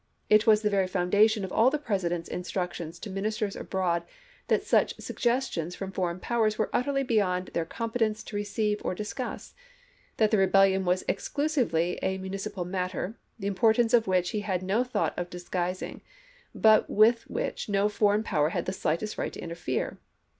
It was the very foundation of all the President's instructions to Ministers abroad that such suggestions from foreign powers were utterly beyond their competence to receive or dis cuss ; that the rebellion was exclusively a munic ipal matter, the importance of which he had no thought of disguising, but with which no foreign power had the slightest right to interfere.